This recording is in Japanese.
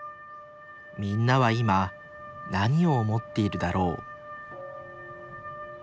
みんなは今何を思っているだろう